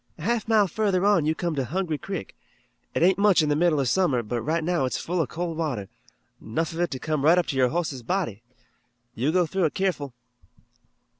"A half mile further on you come to Hungry Creek. It ain't much in the middle of summer, but right now it's full of cold water, 'nough of it to come right up to your hoss's body. You go through it keerful."